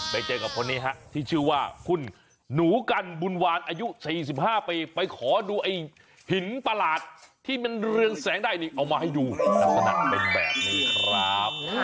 ไปเจอกับคนนี้ฮะที่ชื่อว่าคุณหนูกันบุญวานอายุ๔๕ปีไปขอดูไอ้หินประหลาดที่มันเรืองแสงได้นี่เอามาให้ดูลักษณะเป็นแบบนี้ครับ